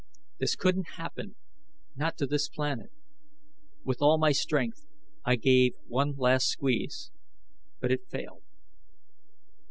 This couldn't happen, not to this planet. With all my strength, I gave one last squeeze but it failed.